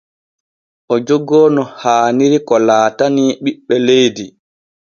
O jogoo no haaniri ko laatanii ɓiɓɓe leydi.